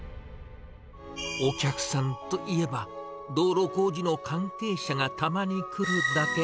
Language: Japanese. お客さんといえば、道路工事の関係者がたまに来るだけ。